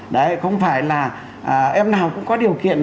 đấy không phải là em nào cũng có điều kiện